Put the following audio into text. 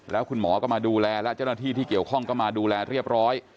แล้วคุณหมอก็มาดูแลและเจ้าหน้าที่ที่เกี่ยวข้องก็มาดูแลเรียบร้อย